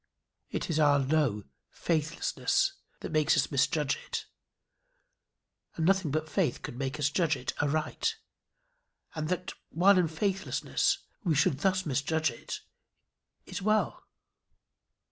It is our low faithlessness that makes us misjudge it, and nothing but faith could make us judge it aright. And that, while in faithlessness, we should thus misjudge it, is well.